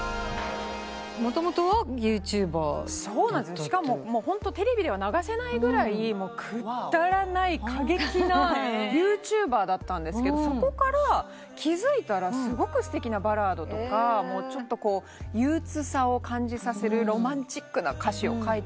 しかもホントテレビでは流せないぐらいくだらない過激なＹｏｕＴｕｂｅｒだったんですけどそこから気付いたらすごくすてきなバラードとか憂鬱さを感じさせるロマンチックな歌詞を書いてて。